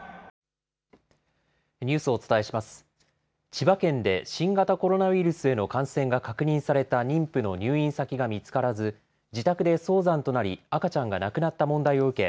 千葉県で新型コロナウイルスへの感染が確認された妊婦の入院先が見つからず自宅で早産となり、赤ちゃんが亡くなった問題を受け